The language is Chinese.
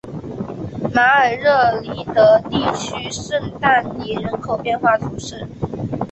马尔热里德地区圣但尼人口变化图示